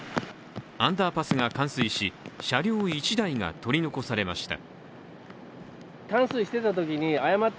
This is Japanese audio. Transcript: アンダーパスが冠水し車両１台が取り残されました。